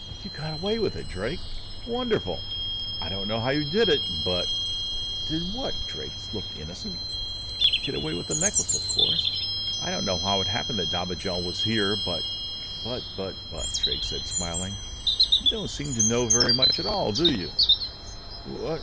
"You got away with it, Drake! Wonderful! I don't know how you did it, but " "Did what?" Drake looked innocent. "Get away with the necklace, of course! I don't know how it happened that Dobigel was there, but " "But, but, but," Drake said, smiling. "You don't seem to know very much at all, do you?"